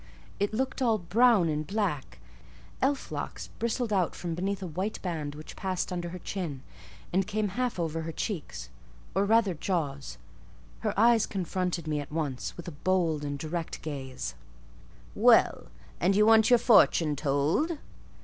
It looked all brown and black: elf locks bristled out from beneath a white band which passed under her chin, and came half over her cheeks, or rather jaws: her eye confronted me at once, with a bold and direct gaze. "Well, and you want your fortune told?"